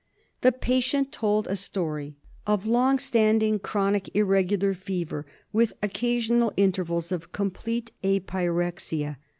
The patient told a story of long standing, chronic irregular fever with occasional intervals of complete apyrexia.